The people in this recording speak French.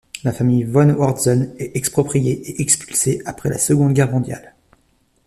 La famille von Oertzen est expropriée et expulsée après la Seconde Guerre mondiale.